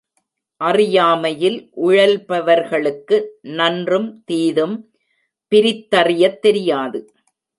அறியாமையில் உழல்பவர்களுக்கு நன்றும் தீதும் பிரித்தறியத் தெரியாது.